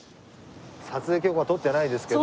撮影許可取ってないですけど。